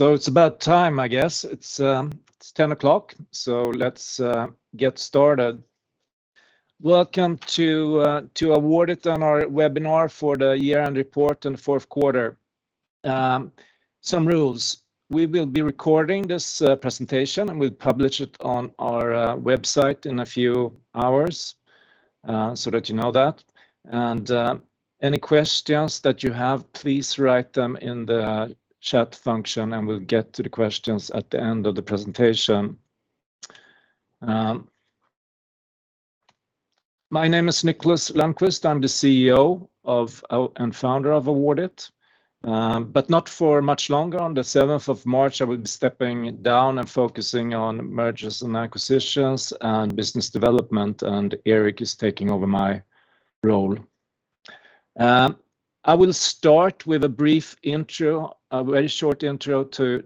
It's about time, I guess. It's 10:00 A.M., so let's get started. Welcome to Awardit on our Webinar for the Year-End Report and Fourth Quarter. Some rules. We will be recording this presentation, and we'll publish it on our website in a few hours, so that you know that. Any questions that you have, please write them in the chat function, and we'll get to the questions at the end of the presentation. My name is Niklas Lundqvist. I'm the CEO and Founder of Awardit, but not for much longer. On the 7th of March, I will be stepping down and focusing on mergers and acquisitions and business development, and Erik is taking over my role. I will start with a brief intro, a very short intro to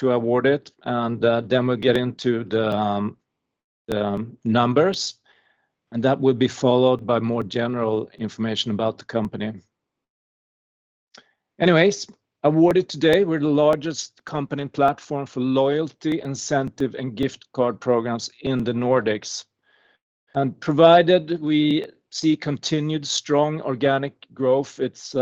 Awardit, and then we'll get into the numbers. That will be followed by more general information about the company. Anyways, Awardit today, we're the largest company platform for loyalty, incentive, and gift card programs in the Nordics. Provided we see continued strong organic growth, its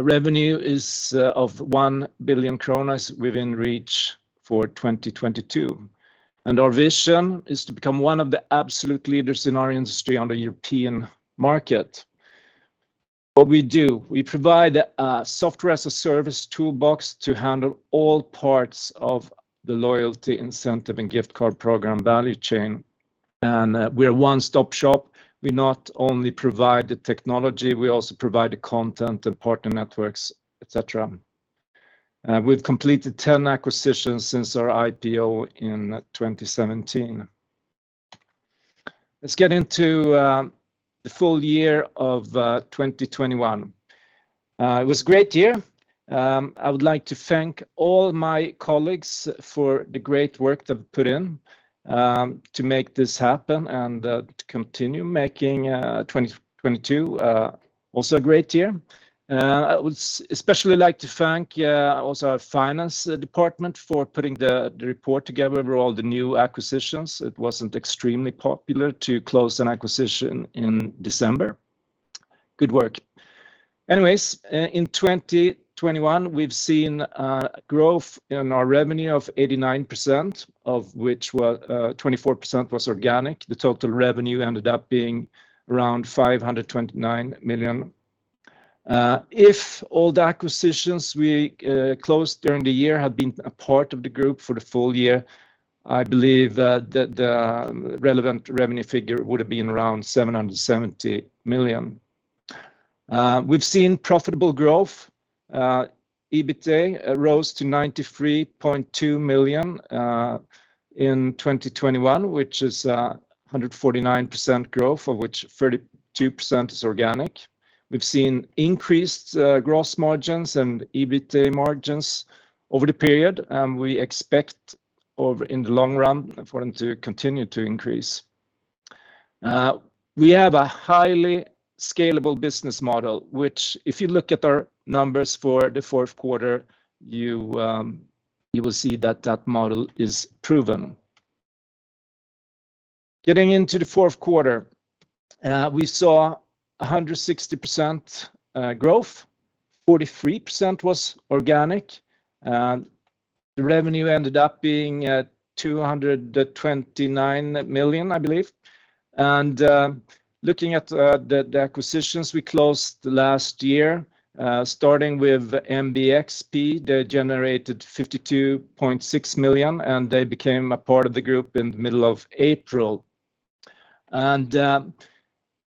revenue is of 1 billion kronor within reach for 2022. Our vision is to become one of the absolute leaders in our industry on the European market. What we do, we provide a software-as-a-service toolbox to handle all parts of the loyalty, incentive, and gift card program value chain, and we're a one-stop shop. We not only provide the technology, we also provide the content, the partner networks, et cetera. We've completed 10 acquisitions since our IPO in 2017. Let's get into the full year of 2021. It was a great year. I would like to thank all my colleagues for the great work they've put in to make this happen and to continue making 2022 also a great year. I would especially like to thank also our finance department for putting the report together with all the new acquisitions. It wasn't extremely popular to close an acquisition in December. Good work. Anyways, in 2021, we've seen growth in our revenue of 89%, of which 24% was organic. The total revenue ended up being around 529 million. If all the acquisitions we closed during the year had been a part of the group for the full year, I believe, the relevant revenue figure would have been around 770 million. We've seen profitable growth. EBITA rose to 93.2 million in 2021, which is 149% growth, of which 32% is organic. We've seen increased gross margins and EBITA margins over the period, and we expect in the long run for them to continue to increase. We have a highly scalable business model, which if you look at our numbers for the fourth quarter, you will see that model is proven. Getting into the fourth quarter, we saw 160% growth. 43% was organic. The revenue ended up being at 229 million, I believe. Looking at the acquisitions we closed last year, starting with MBXP, they generated 52.6 million, and they became a part of the group in the middle of April.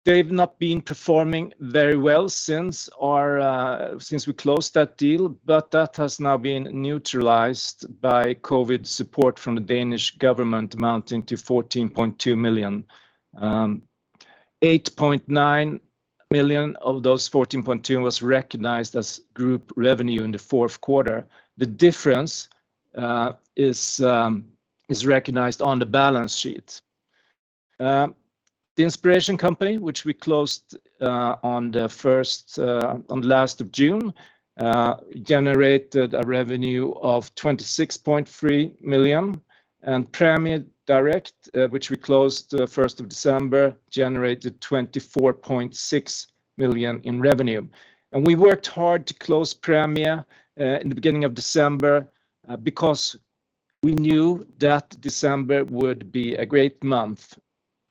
They've not been performing very well since we closed that deal, but that has now been neutralized by COVID support from the Danish government amounting to 14.2 million. 8.9 million of those 14.2 million was recognized as group revenue in the fourth quarter. The difference is recognized on the balance sheet. The Inspiration Company, which we closed on the last of June, generated revenue of 26.3 million, and Prämie Direkt, which we closed the first of December, generated 24.6 million in revenue. We worked hard to close Prämie Direkt in the beginning of December because we knew that December would be a great month,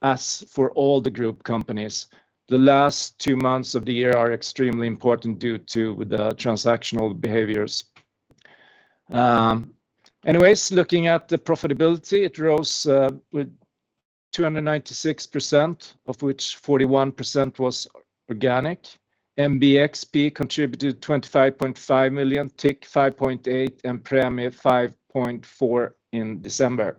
as for all the group companies. The last two months of the year are extremely important due to the transactional behaviors. Anyways, looking at the profitability, it rose with 296%, of which 41% was organic. MBXP contributed 25.5 million, TIC 5.8 million, and Prämie Direkt 5.4 million in December.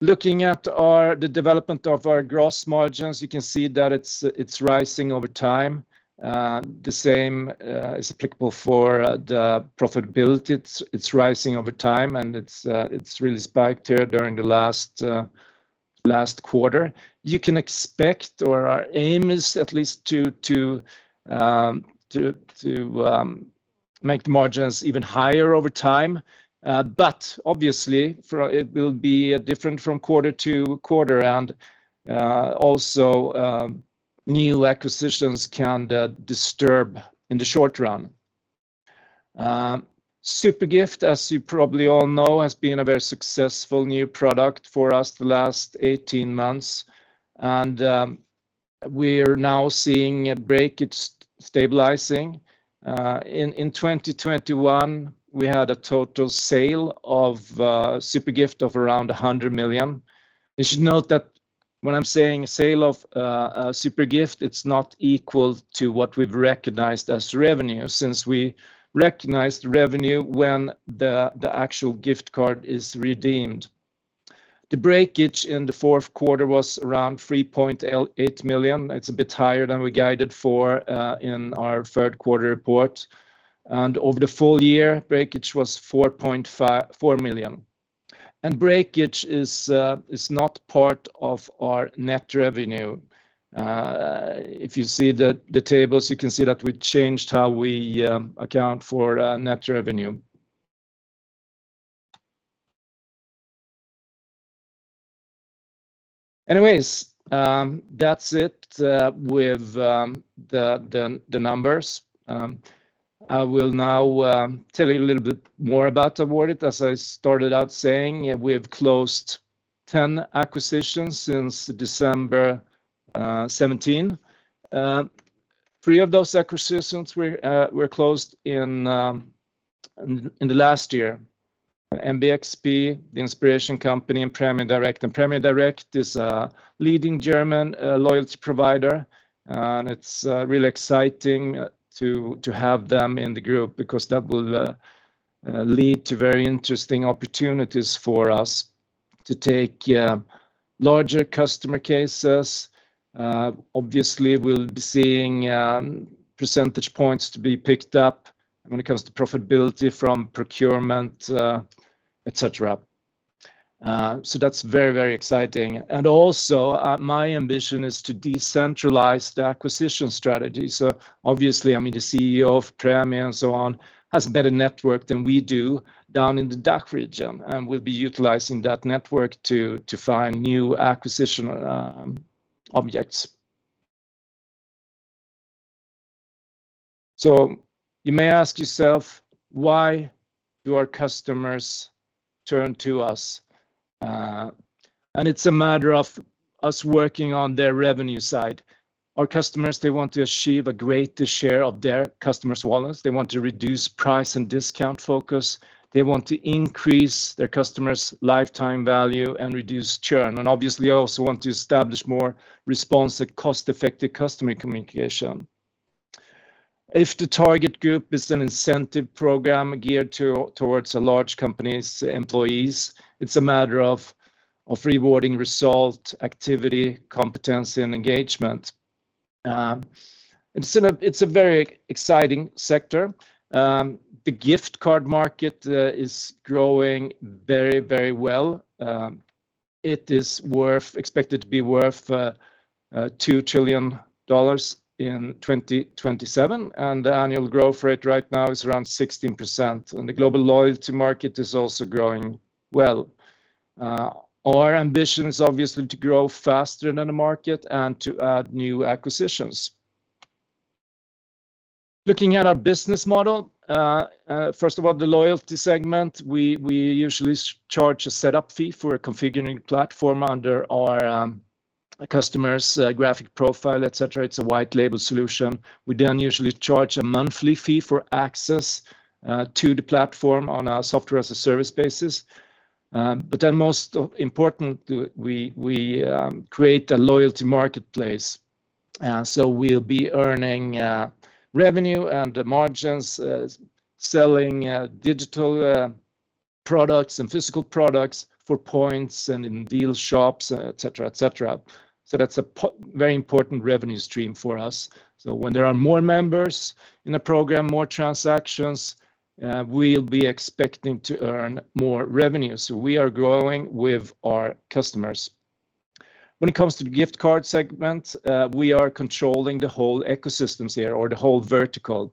Looking at the development of our gross margins, you can see that it's rising over time. The same is applicable for the profitability. It's rising over time, and it's really spiked here during the last quarter. You can expect, or our aim is at least to make the margins even higher over time. Obviously it will be different from quarter-to-quarter, and also new acquisitions can disturb in the short run. Zupergift, as you probably all know, has been a very successful new product for us the last 18 months, and we are now seeing a break. It's stabilizing. In 2021, we had a total sale of Zupergift of around 100 million. You should note that when I'm saying sale of Zupergift, it's not equal to what we've recognized as revenue since we recognize the revenue when the actual gift card is redeemed. The breakage in the fourth quarter was around 3.8 million. It's a bit higher than we guided for in our third quarter report. Over the full year, breakage was 4.54 million. Breakage is not part of our net revenue. If you see the tables, you can see that we changed how we account for net revenue. Anyways, that's it with the numbers. I will now tell you a little bit more about Awardit. As I started out saying, we have closed 10 acquisitions since December 17. Three of those acquisitions were closed in the last year. MBXP, The Inspiration Company, and Prämie Direkt. Prämie Direkt is a leading German loyalty provider, and it's really exciting to have them in the group because that will lead to very interesting opportunities for us to take larger customer cases. Obviously we'll be seeing percentage points to be picked up when it comes to profitability from procurement, et cetera. That's very exciting. Also, my ambition is to decentralize the acquisition strategy. Obviously, I mean, the CEO of Prämie Direkt and so on has better network than we do down in the DACH region, and we'll be utilizing that network to find new acquisition objects. You may ask yourself, "Why do our customers turn to us?" It's a matter of us working on their revenue side. Our customers, they want to achieve a greater share of their customers' wallets. They want to reduce price and discount focus. They want to increase their customers' lifetime value and reduce churn, and obviously also want to establish more responsive, cost-effective customer communication. If the target group is an incentive program geared towards a large company's employees, it's a matter of rewarding result, activity, competency and engagement. It's a very exciting sector. The gift card market is growing very, very well. It is expected to be worth $2 trillion in 2027, and the annual growth rate right now is around 16%, and the global loyalty market is also growing well. Our ambition is obviously to grow faster than the market and to add new acquisitions. Looking at our business model, first of all, the loyalty segment, we usually charge a setup fee for configuring platform under our customer's graphic profile, et cetera. It's a white label solution. We then usually charge a monthly fee for access to the platform on a software-as-a-service basis. Most important, we create a loyalty marketplace. We'll be earning revenue and margins selling digital products and physical products for points and in deal shops, et cetera, et cetera. That's very important revenue stream for us. When there are more members in the program, more transactions, we'll be expecting to earn more revenue. We are growing with our customers. When it comes to the gift card segment, we are controlling the whole ecosystems here or the whole vertical.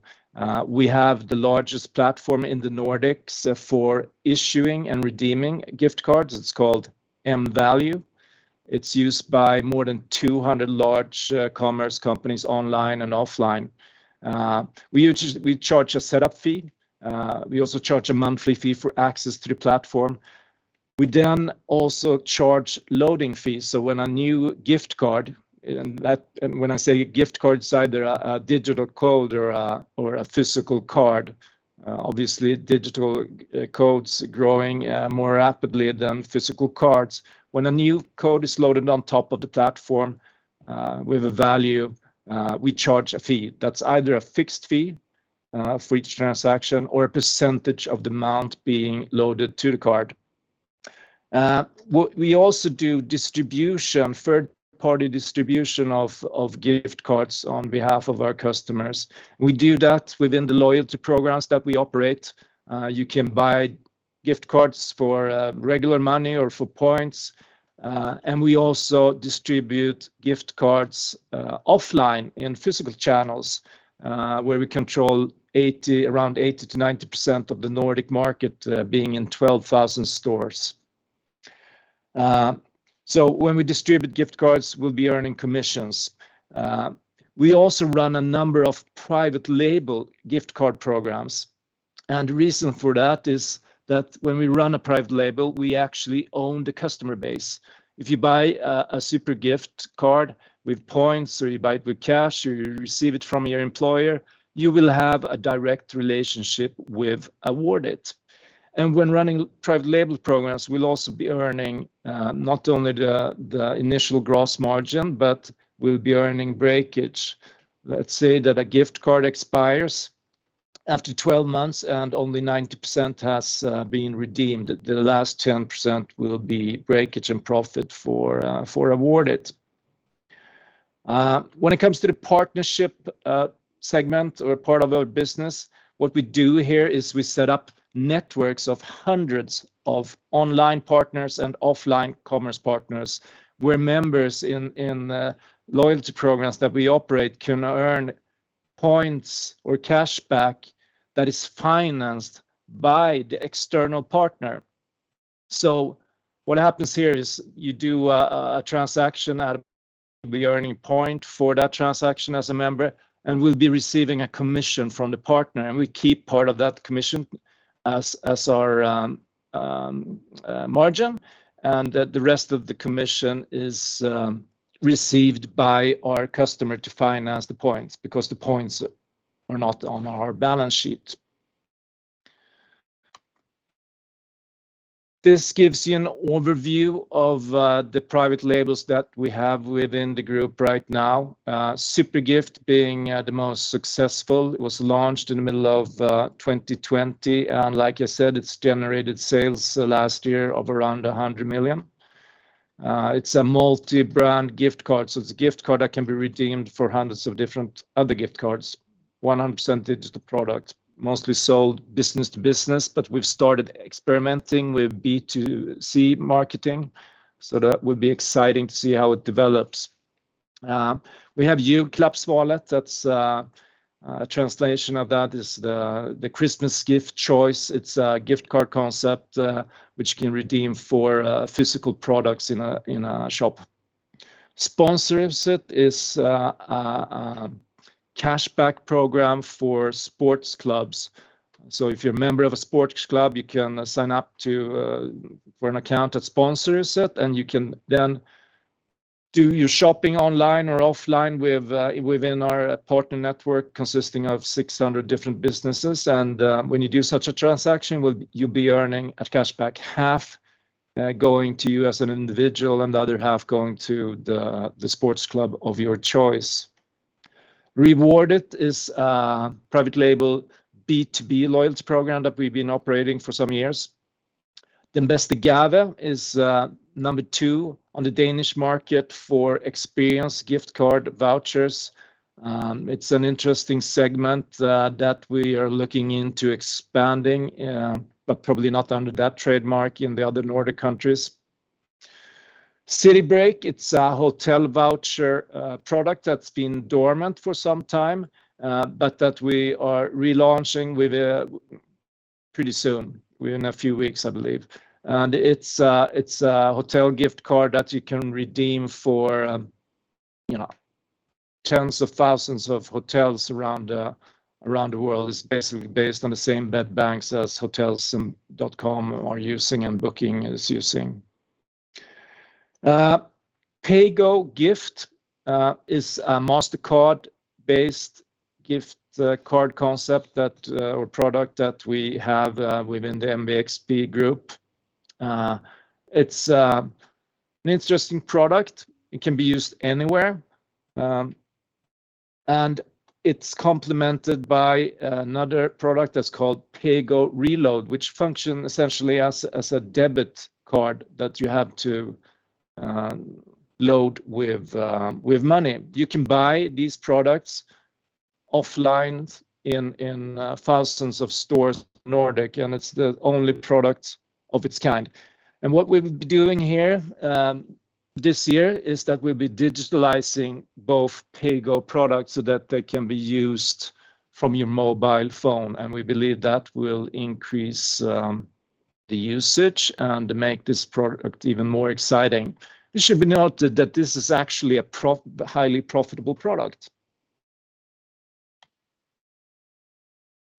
We have the largest platform in the Nordics for issuing and redeeming gift cards. It's called mValue. It's used by more than 200 large commerce companies online and offline. We charge a setup fee. We also charge a monthly fee for access to the platform. We then also charge loading fees. When a new gift card, and when I say gift card side, there are a digital code or a physical card. Obviously digital code's growing more rapidly than physical cards. When a new code is loaded on top of the platform with a value, we charge a fee. That's either a fixed fee for each transaction or a percentage of the amount being loaded to the card. We also do distribution, third-party distribution of gift cards on behalf of our customers. We do that within the loyalty programs that we operate. You can buy gift cards for regular money or for points. We also distribute gift cards offline in physical channels, where we control around 80%-90% of the Nordic market, being in 12,000 stores. When we distribute gift cards, we'll be earning commissions. We also run a number of private label gift card programs, and the reason for that is that when we run a private label, we actually own the customer base. If you buy a Zupergift card with points, or you buy it with cash, or you receive it from your employer, you will have a direct relationship with Awardit. When running private label programs, we'll also be earning not only the initial gross margin, but we'll be earning breakage. Let's say that a gift card expires after 12 months, and only 90% has been redeemed. The last 10% will be breakage and profit for Awardit. When it comes to the partnership segment or part of our business, what we do here is we set up networks of hundreds of online partners and offline commerce partners, where members in loyalty programs that we operate can earn points or cashback that is financed by the external partner. What happens here is you do a transaction earning points for that transaction as a member, and we'll be receiving a commission from the partner, and we keep part of that commission as our margin, and the rest of the commission is received by our customer to finance the points, because the points are not on our balance sheet. This gives you an overview of the private labels that we have within the group right now. Zupergift being the most successful. It was launched in the middle of 2020, and like I said, it's generated sales last year of around 100 million. It's a multi-brand gift card, so it's a gift card that can be redeemed for hundreds of different other gift cards. 100% digital product. Mostly sold business to business, but we've started experimenting with B2C marketing, so that will be exciting to see how it develops. We have Julklappsvalet. That's a translation of that is the Christmas gift choice. It's a gift card concept, which you can redeem for physical products in a shop. Sponsorhuset is a cashback program for sports clubs. If you're a member of a sports club, you can sign up for an account at Sponsorhuset, and you can then do your shopping online or offline within our partner network consisting of 600 different businesses. When you do such a transaction, you'll be earning a cashback, half going to you as an individual and the other half going to the sports club of your choice. Rewardit is a private label B2B loyalty program that we've been operating for some years. Den Beste Gave is number two on the Danish market for experience gift card vouchers. It's an interesting segment that we are looking into expanding, but probably not under that trademark in the other Nordic countries. ZityBreak, it's a hotel voucher product that's been dormant for some time, but that we are relaunching pretty soon, within a few weeks, I believe. It's a hotel gift card that you can redeem for, you know, tens of thousands of hotels around the world. It's basically based on the same bed banks as Hotels.com and Booking are using. Paygoo Gift is a Mastercard-based gift card concept or product that we have within the MBXP group. It's an interesting product. It can be used anywhere. It's complemented by another product that's called Paygoo Reload, which functions essentially as a debit card that you have to load with money. You can buy these products offline in thousands of Nordic stores, and it's the only product of its kind. What we'll be doing here this year is that we'll be digitizing both Paygoo products so that they can be used from your mobile phone, and we believe that will increase the usage and make this product even more exciting. It should be noted that this is actually a highly profitable product.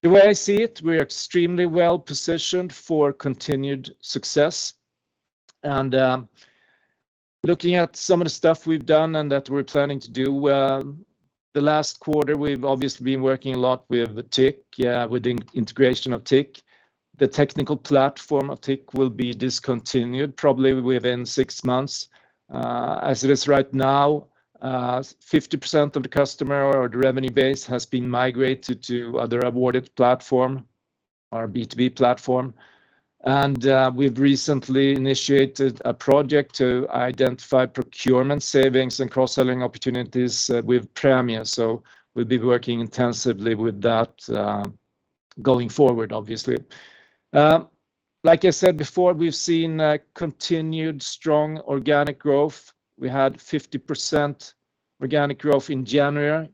The way I see it, we're extremely well-positioned for continued success. Looking at some of the stuff we've done and that we're planning to do, the last quarter, we've obviously been working a lot with TIC, with the integration of TIC. The technical platform of TIC will be discontinued probably within six months. As it is right now, 50% of the customer or the revenue base has been migrated to the Awardit platform, our B2B platform. We've recently initiated a project to identify procurement savings and cross-selling opportunities, with Prämie Direkt. We'll be working intensively with that, going forward, obviously. Like I said before, we've seen continued strong organic growth. We had 50% organic growth in January,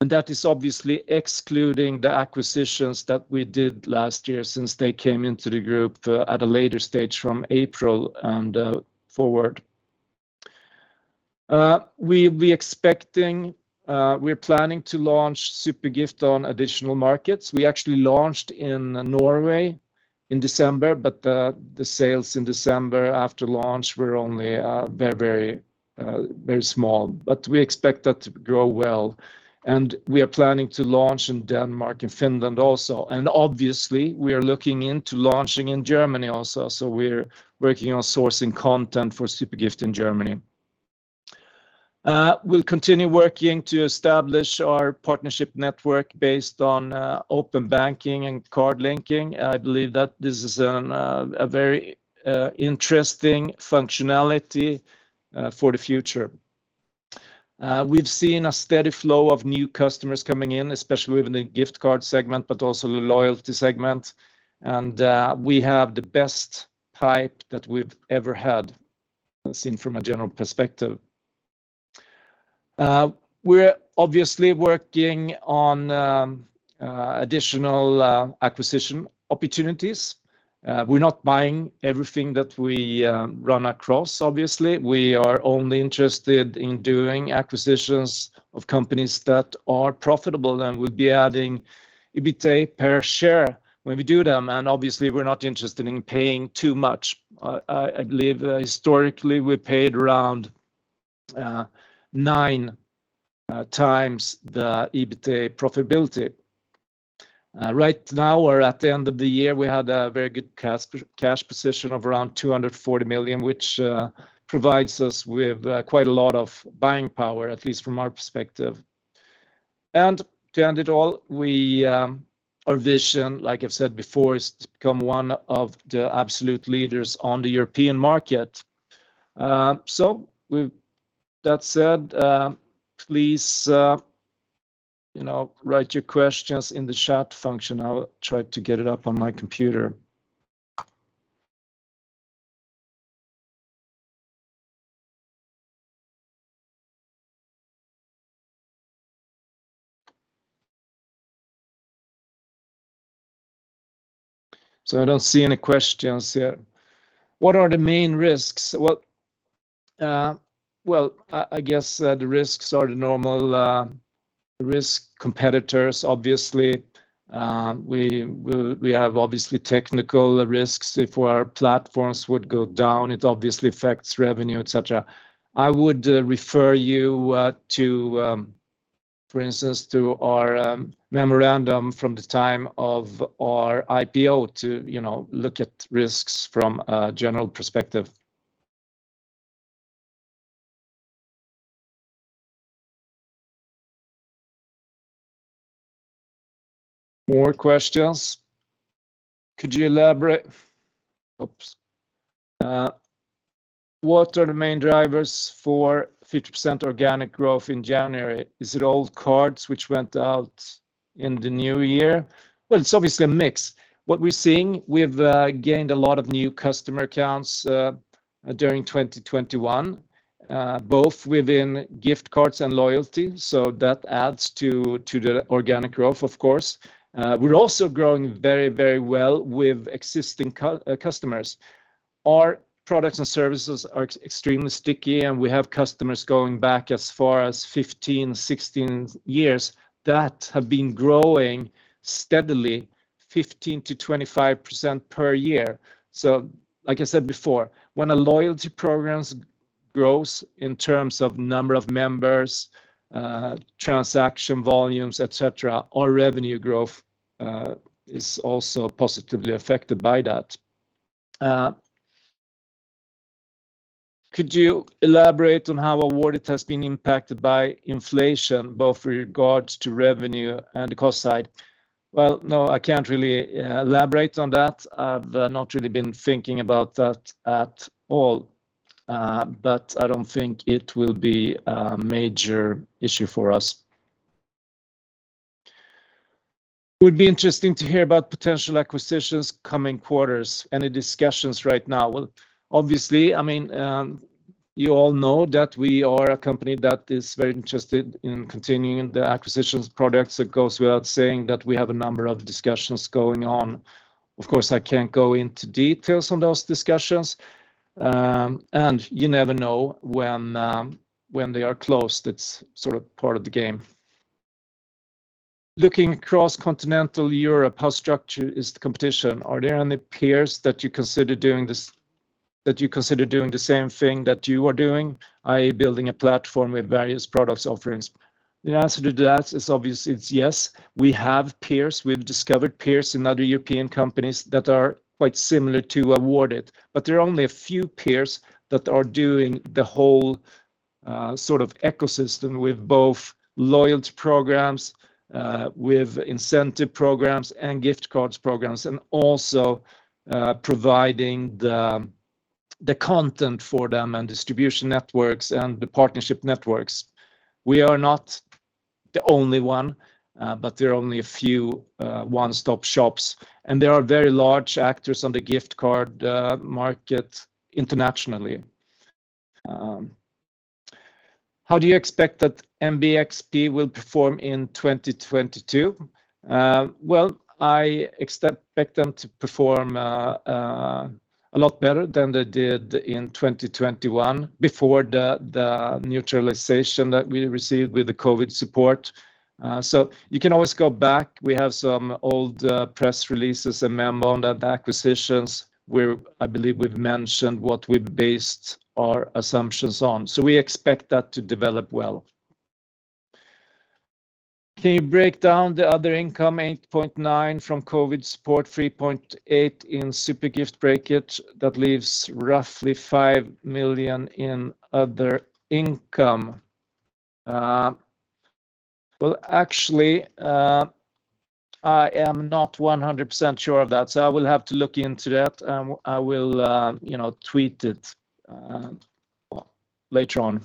and that is obviously excluding the acquisitions that we did last year since they came into the group at a later stage from April and forward. We're planning to launch Zupergift on additional markets. We actually launched in Norway in December, but the sales in December after launch were only very small. We expect that to grow well, and we are planning to launch in Denmark and Finland also. Obviously we are looking into launching in Germany also, so we're working on sourcing content for Zupergift in Germany. We'll continue working to establish our partnership network based on open banking and card linking. I believe that this is a very interesting functionality for the future. We've seen a steady flow of new customers coming in, especially within the gift card segment, but also the loyalty segment. We have the best pipe that we've ever had seen from a general perspective. We're obviously working on additional acquisition opportunities. We're not buying everything that we run across, obviously. We are only interested in doing acquisitions of companies that are profitable and would be adding EBITA per share when we do them, and obviously we're not interested in paying too much. I believe historically we paid around 9x the EBITA profitability. Right now or at the end of the year, we had a very good cash position of around 240 million, which provides us with quite a lot of buying power, at least from our perspective. To end it all, our vision, like I've said before, is to become one of the absolute leaders on the European market. With that said, please you know write your questions in the chat function. I'll try to get it up on my computer. I don't see any questions yet. What are the main risks? Well, I guess the risks are the normal risks, competitors obviously. We have obviously technical risks if our platforms would go down, it obviously affects revenue, et cetera. I would refer you to, for instance, to our memorandum from the time of our IPO to you know look at risks from a general perspective. More questions. What are the main drivers for 50% organic growth in January? Is it old cards which went out in the new year? Well, it's obviously a mix. What we're seeing, we've gained a lot of new customer accounts during 2021, both within gift cards and loyalty, so that adds to the organic growth, of course. We're also growing very, very well with existing customers. Our products and services are extremely sticky, and we have customers going back as far as 15, 16 years that have been growing steadily 15%-25% per year. So like I said before, when a loyalty program's growth in terms of number of members, transaction volumes, et cetera, our revenue growth is also positively affected by that. Could you elaborate on how Awardit has been impacted by inflation, both regards to revenue and the cost side? Well, no, I can't really elaborate on that. I've not really been thinking about that at all. I don't think it will be a major issue for us. It would be interesting to hear about potential acquisitions in the coming quarters. Any discussions right now? Well, obviously, I mean, you all know that we are a company that is very interested in continuing acquisitions. It goes without saying that we have a number of discussions going on. Of course, I can't go into details on those discussions, and you never know when they are closed. It's sort of part of the game. Looking across continental Europe, how structured is the competition? Are there any peers that you consider doing the same thing that you are doing, i.e., building a platform with various product offerings? The answer to that is obviously yes. We have peers. We've discovered peers in other European companies that are quite similar to Awardit. There are only a few peers that are doing the whole sort of ecosystem with both loyalty programs with incentive programs and gift cards programs, and also providing the content for them and distribution networks and the partnership networks. We are not the only one, but there are only a few one-stop shops, and there are very large actors on the gift card market internationally. How do you expect that MBXP will perform in 2022? Well, I expect them to perform a lot better than they did in 2021 before the neutralization that we received with the COVID support. You can always go back. We have some old press releases and memo and acquisitions where I believe we've mentioned what we've based our assumptions on. We expect that to develop well. Can you break down the other income 8.9 million from COVID support, 3.8 million in Zupergift? That leaves roughly 5 million in other income. Well, actually, I am not 100% sure of that, so I will have to look into that. I will, you know, tweet it later on.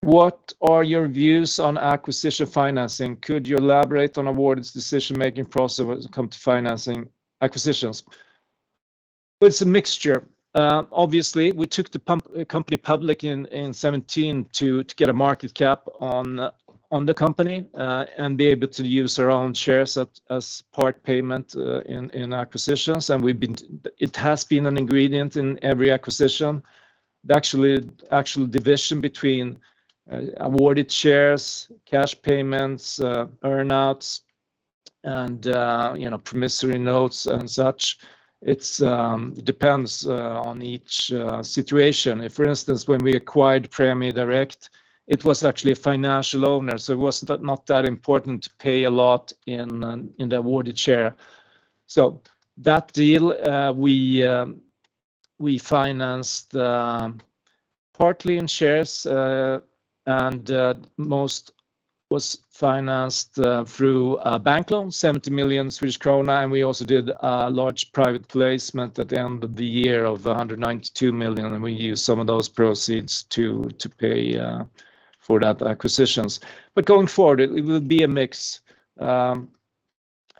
What are your views on acquisition financing? Could you elaborate on Awardit's decision-making process when it comes to financing acquisitions? It's a mixture. Obviously, we took the company public in 2017 to get a market cap on the company and be able to use our own shares as part payment in acquisitions. It has been an ingredient in every acquisition. Actually, actual division between Awardit shares, cash payments, earn-outs and, you know, promissory notes and such, it depends on each situation. For instance, when we acquired Prämie Direkt, it was actually a financial owner, so it was not that important to pay a lot in the Awardit share. That deal, we financed partly in shares, and most was financed through a bank loan, 70 million Swedish krona. We also did a large private placement at the end of the year of 192 million, and we used some of those proceeds to pay for that acquisition. Going forward, it will be a mix.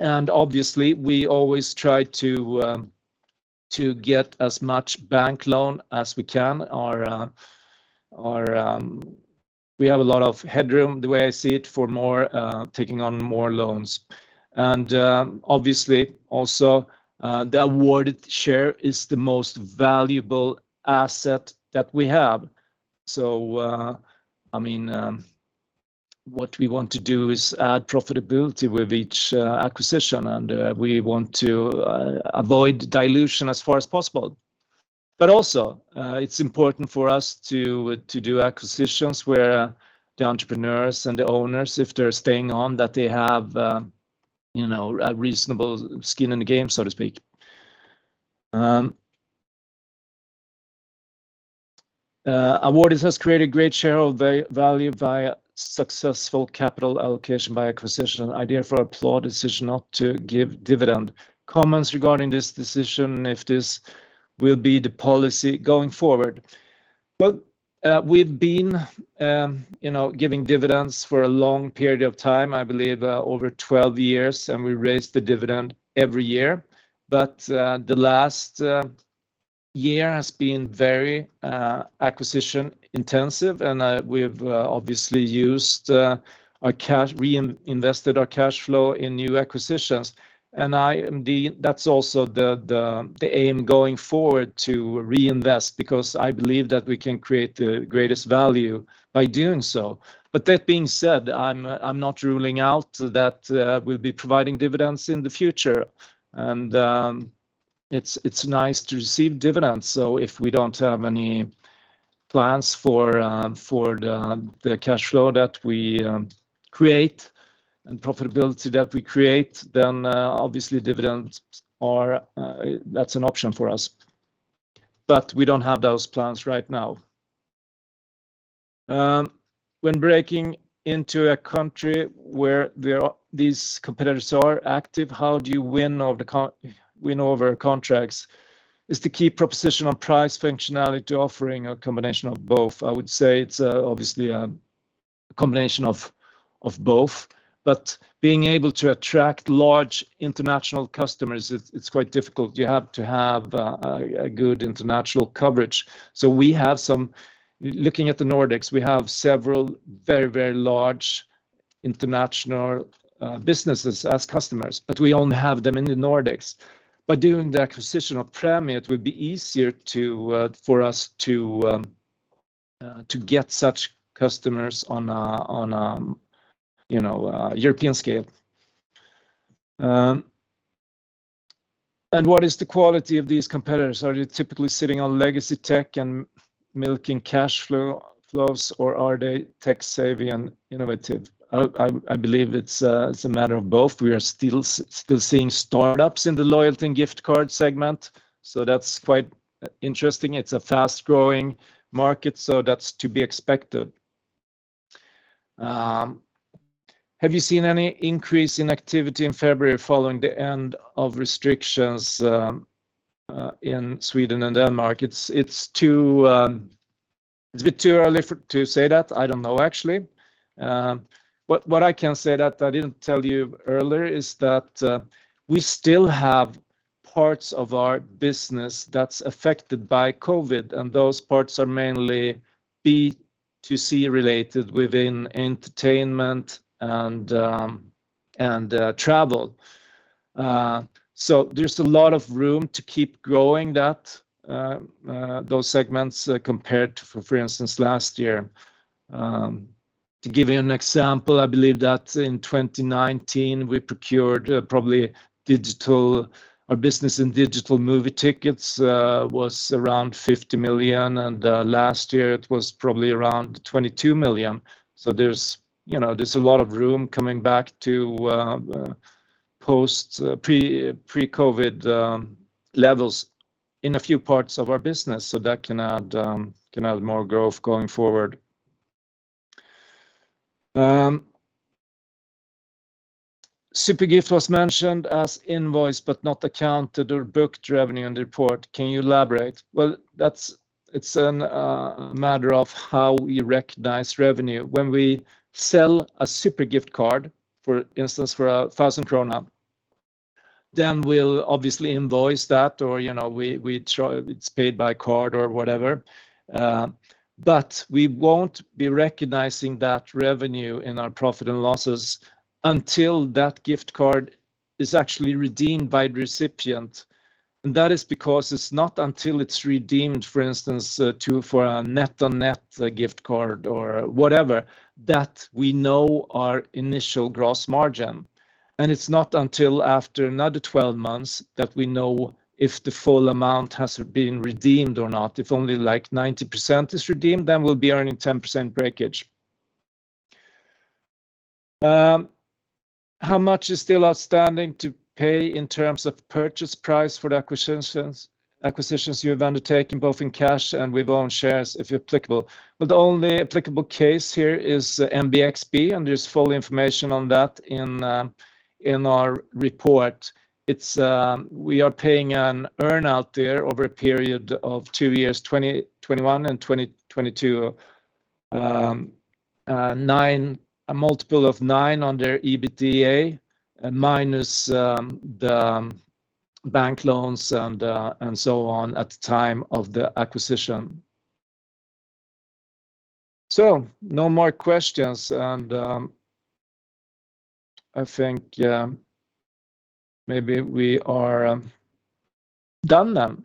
Obviously we always try to get as much bank loan as we can. We have a lot of headroom, the way I see it, for taking on more loans. Obviously also the Awardit share is the most valuable asset that we have. I mean what we want to do is add profitability with each acquisition, and we want to avoid dilution as far as possible. Also it's important for us to do acquisitions where the entrepreneurs and the owners, if they're staying on, that they have you know a reasonable skin in the game, so to speak. Awardit has created great share of value via successful capital allocation by acquisition. I'd applaud decision not to give dividend. Comments regarding this decision, if this will be the policy going forward. Well, we've been, you know, giving dividends for a long period of time, I believe, over 12 years, and we raised the dividend every year. The last year has been very acquisition-intensive, and we've obviously reinvested our cash flow in new acquisitions. That's also the aim going forward to reinvest, because I believe that we can create the greatest value by doing so. That being said, I'm not ruling out that we'll be providing dividends in the future. It's nice to receive dividends. If we don't have any plans for the cash flow that we create and profitability that we create, then obviously, that's an option for us. We don't have those plans right now. When breaking into a country where these competitors are active, how do you win over contracts? Is the key proposition on price, functionality, offering a combination of both? I would say it's obviously a combination of both. Being able to attract large international customers, it's quite difficult. You have to have a good international coverage. Looking at the Nordics, we have several very large international businesses as customers, but we only have them in the Nordics. By doing the acquisition of Prämie Direkt, it would be easier for us to get such customers on a, you know, European scale. What is the quality of these competitors? Are they typically sitting on legacy tech and milking cash flows, or are they tech-savvy and innovative? I believe it's a matter of both. We are still seeing startups in the loyalty and gift card segment, so that's quite interesting. It's a fast-growing market, so that's to be expected. Have you seen any increase in activity in February following the end of restrictions in Sweden and Denmark? It's a bit too early to say that. I don't know, actually. What I can say that I didn't tell you earlier is that we still have parts of our business that's affected by COVID, and those parts are mainly B2C related within entertainment and travel. There's a lot of room to keep growing those segments compared to, for instance, last year. To give you an example, I believe that in 2019 our business in digital movie tickets was around 50 million, and last year it was probably around 22 million. There's you know a lot of room coming back to pre-COVID levels in a few parts of our business, so that can add more growth going forward. Zupergift was mentioned as invoiced but not accounted or booked revenue in the report. Can you elaborate? It's a matter of how we recognize revenue. When we sell a Zupergift card, for instance, for 1,000 krona, then we'll obviously invoice that or you know we charge. It's paid by card or whatever. We won't be recognizing that revenue in our profit and losses until that gift card is actually redeemed by the recipient. That is because it's not until it's redeemed, for instance, for a NetOnNet gift card or whatever, that we know our initial gross margin. It's not until after another 12 months that we know if the full amount has been redeemed or not. If only, like, 90% is redeemed, then we'll be earning 10% breakage. How much is still outstanding to pay in terms of purchase price for the acquisitions you have undertaken, both in cash and with own shares, if applicable? Well, the only applicable case here is MBXP, and there's full information on that in our report. It's we are paying an earn out there over a period of two years, 2021 and 2022. A multiple of 9x on their EBITDA and minus the bank loans and so on at the time of the acquisition. No more questions and I think maybe we are done then.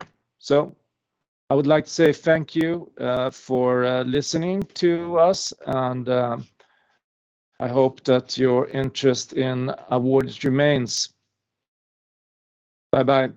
I would like to say thank you for listening to us, and I hope that your interest in Awardit remains. Bye-bye.